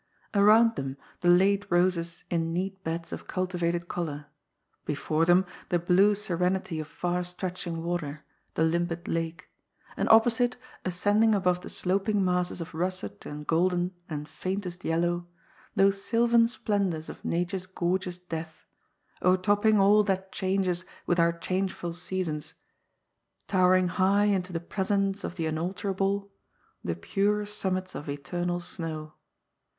Around them the late roses in neat beds of cultiyated colour ; before them the blue seren ity of far stretching water, the limpid lake ; and opposite, ascending aboye the sloping masses of russet and golden and faintest yellow — those sylvan splendours of Nature's gorgeous death — o'ertopping all that changes with our changeful seasons, towering high into the presence of the unalterable : the pure summits of eternal snow.